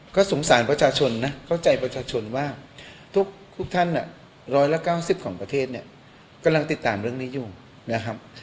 ก็สงสารประชาชนนะเข้าใจประชาชนว่าทุกท่าน๑๙๐ของประเทศเนี่ยกำลังติดตามเรื่องนี้อยู่นะครับ